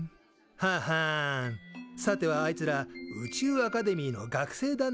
ははんさてはあいつら宇宙アカデミーの学生だな。